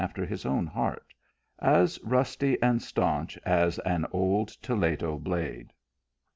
245 after his own heart ; as trusty and staunch as an old toledo blade.